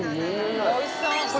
おいしそう。